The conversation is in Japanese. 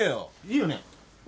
いいよね？